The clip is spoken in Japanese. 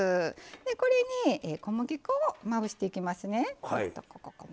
これに小麦粉をまぶしていきますね。